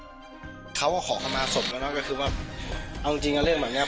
บึงต้นตำรวจได้แจ้งข้อหานางเบนเจาันในข้อหาฆ่าภาพฤทธิษฐธรรมนั้น